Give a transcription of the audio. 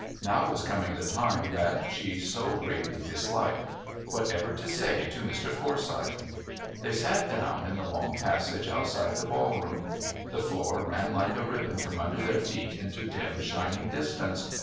Now was coming the time that she so greatly disliked. Whatever to say to Mr. Forsyth? They sat down in the long passage outside the ballroom. The floor ran like a ribbon from under their feet into dim shining distance.